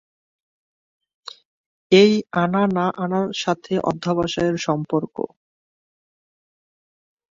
এই আনা না আনার সাথে অধ্যবসায়ের সম্পর্ক।